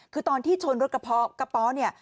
คือตอนที่ชนรถกระเพาะกระป๋อเนี่ย